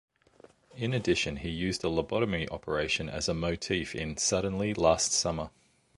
In addition, he used a lobotomy operation as a motif in "Suddenly, Last Summer".